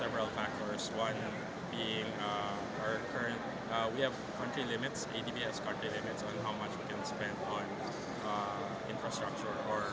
pada beberapa faktor